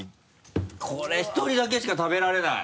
これ１人だけしか食べられない？